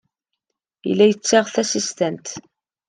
Yella yetteg tasestant.